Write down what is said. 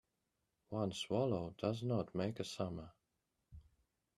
One swallow does not make a summer